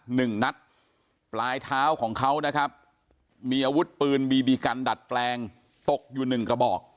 หนึ่งนัดปลายเท้าของเขานะครับมีอาวุธปืนบีบีกันดัดแปลงตกอยู่หนึ่งกระบอก